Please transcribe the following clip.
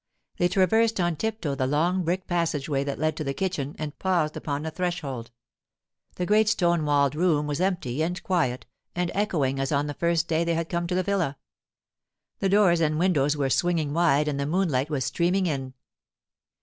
They traversed on tiptoe the long brick passageway that led to the kitchen, and paused upon the threshold. The great stone walled room was empty and quiet and echoing as on the first day they had come to the villa. The doors and windows were swinging wide and the moonlight was streaming in.